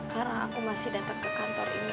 karena aku masih datang ke kantor ini